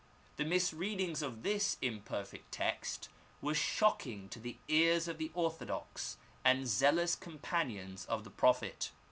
The mis readings of this imperfect text were shocking to the ears of the orthodox and zealous companions of the Prophet.